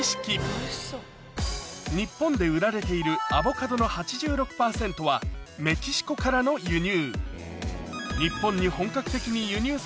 日本で売られているアボカドの８６％はメキシコからの輸入